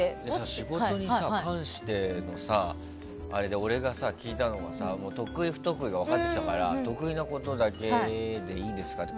仕事に関して俺が聞いたのは得意、不得意が分かってたから得意なことだけでいいんですかって